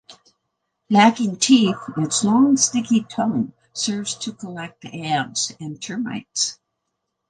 Lacking teeth, its long, sticky tongue serves to collect ants and termites.